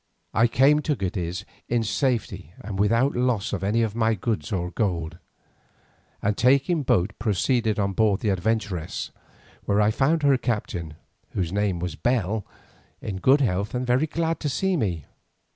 I came to Cadiz in safety and without loss of any of my goods or gold, and taking boat proceeded on board the "Adventuress," where I found her captain, whose name was Bell, in good health and very glad to see me.